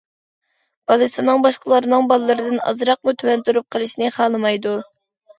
بالىسىنىڭ باشقىلارنىڭ بالىلىرىدىن ئازراقمۇ تۆۋەن تۇرۇپ قېلىشىنى خالىمايدۇ.